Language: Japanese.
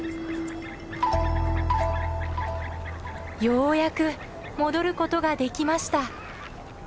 ようやく戻ることができました。